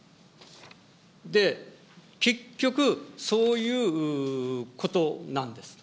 で、結局、そういうことなんです。